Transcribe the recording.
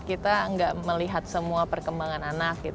kita nggak melihat semua perkembangan anak